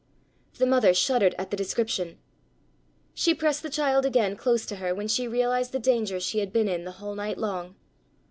The mother shuddered at the description. She pressed the child again close to her when she realized the danger she had been in the whole night long.